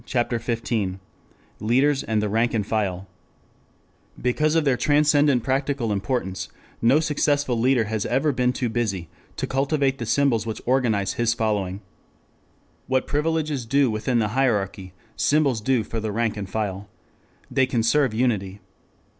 CHAPTER XV LEADERS AND THE RANK AND FILE I BECAUSE of their transcendent practical importance, no successful leader has ever been too busy to cultivate the symbols which organize his following. What privileges do within the hierarchy, symbols do for the rank and file. They conserve unity.